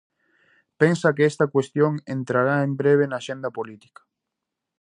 Pensa que esta cuestión entrará en breve na axenda política?